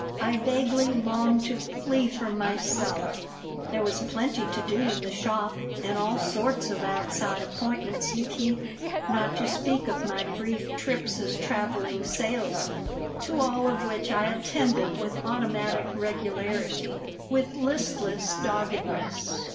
I vaguely longed to flee from myself There was plenty to do in the shop and all sorts of outside appointments to keep, not to speak of my brief trips as traveling salesman. To all of which I attended with automatic regularity, with listless doggedness.